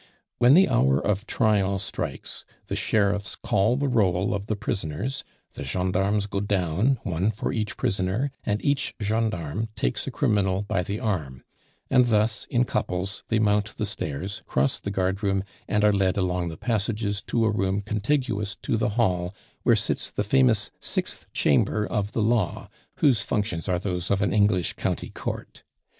When the hour of trial strikes the sheriffs call the roll of the prisoners, the gendarmes go down, one for each prisoner, and each gendarme takes a criminal by the arm; and thus, in couples, they mount the stairs, cross the guardroom, and are led along the passages to a room contiguous to the hall where sits the famous sixth chamber of the law (whose functions are those of an English county court).